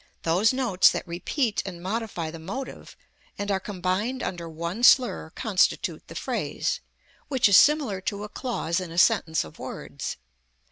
Those notes that repeat and modify the motive and are combined under one slur constitute the phrase, which is similar to a clause in a sentence of words.